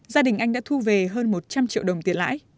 gia đình anh đã thu về hơn một trăm linh triệu đồng tiền lãi